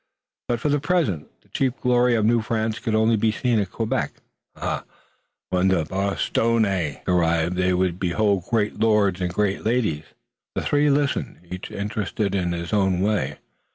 But for the present, the chief glory of New France could be seen only at Quebec Ah, when the Bostonnais arrived there they would behold great lords and great ladies! The three listened, each interested in his own way.